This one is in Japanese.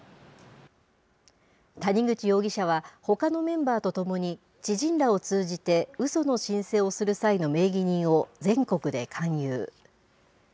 谷口容疑者は、ほかのメンバーと共に、知人らを通じて、うその申請をする際の名義人を全国で勧誘。